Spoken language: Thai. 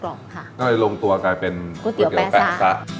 ก็จะลงตัวกลายเป็นกูเตี๋ยวแป๊ะซ้า